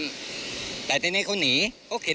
ถ้าเขาถูกจับคุณอย่าลืม